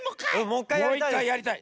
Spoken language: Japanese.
もう１かいやりたい。